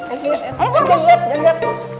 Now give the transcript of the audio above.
eh jangan lihat